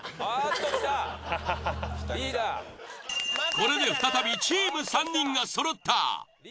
これで再びチーム３人がそろった。